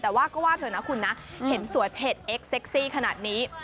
แต่ว่าก็ว่าเถอะนะคุณนะเห็นสวยเผ็ดเอ็กเซ็กซี่ขนาดนี้